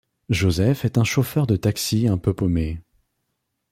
Joseph est un chauffeur de taxi un peu paumé.